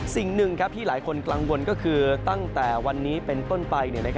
สิ่งหนึ่งที่หลายคนกังวลก็คือตั้งแต่วันนี้เป็นต้นไป